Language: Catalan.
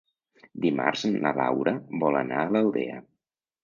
Dimarts na Laura vol anar a l'Aldea.